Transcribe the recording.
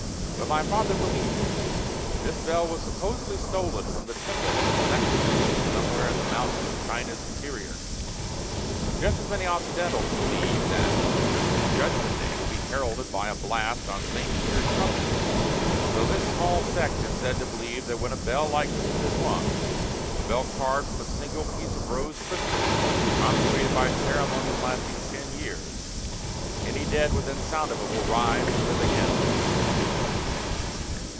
"But my father believed it. This bell was supposedly stolen from the temple of a sect of Buddhists somewhere in the mountains of China's interior. Just as many Occidentals believe that the Christian Judgement Day will be heralded by a blast on St. Peter's trumpet, so this small sect is said to believe that when a bell like this one is rung, a bell carved from a single piece of rose crystal, and consecrated by ceremonies lasting ten years, any dead within sound of it will rise and live again."